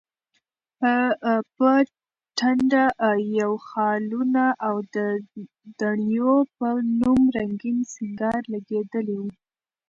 په ټنډه یې خالونه، او د دڼیو په نوم رنګین سینګار لګېدلی و.